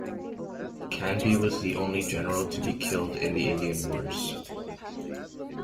Canby was the only general to be killed in the Indian Wars.